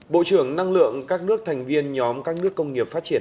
bộ trưởng năng lượng các nước thành viên nhóm các nước công nghiệp phát triển